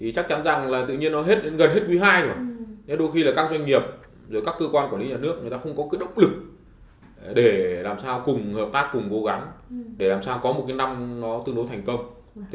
các doanh nghiệp các cơ quan quản lý nhà nước không có độc lực để làm sao cùng hợp tác cùng cố gắng để làm sao có một năm tương đối thành công